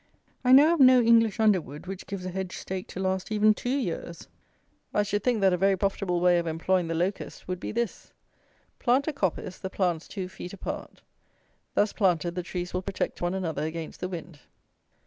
I know of no English underwood which gives a hedge stake to last even two years. I should think that a very profitable way of employing the locust would be this. Plant a coppice, the plants two feet apart. Thus planted, the trees will protect one another against the wind.